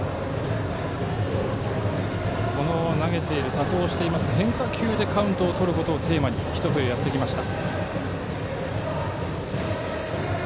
多投している変化球でカウントをとることをテーマにひと冬やってきました。